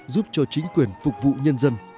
giúp cho chính quyền phục vụ nhân dân